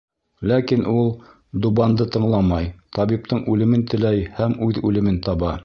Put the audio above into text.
Ләкин ул Дубанды тыңламай, табиптың үлемен теләй һәм үҙ үлемен таба.